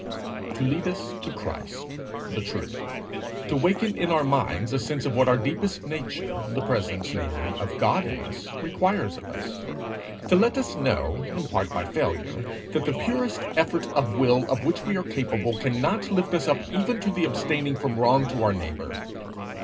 To lead us to Christ, the Truth, to waken in our minds a sense of what our deepest nature, the presence, namely, of God in us, requires of us, to let us know, in part by failure, that the purest effort of will of which we are capable cannot lift us up even to the abstaining from wrong to our neighbour.